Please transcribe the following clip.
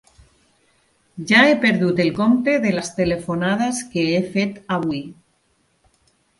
Ja he perdut el compte de les telefonades que he fet avui.